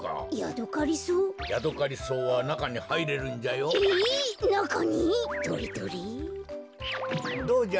どうじゃ？